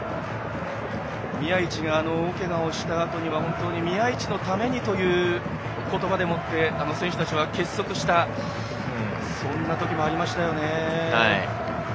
宮市があの大けがをしたあとには宮市のためにという言葉でもって選手たちは結束した時もありましたよね。